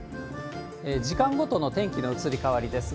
時間ごとの天気の移り変わりです。